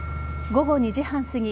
午後２時半すぎ